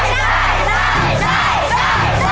ย่าย๊า